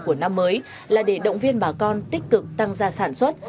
của năm mới là để động viên bà con tích cực tăng ra sản xuất